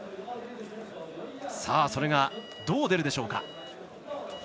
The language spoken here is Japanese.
それが、どう出るでしょうか。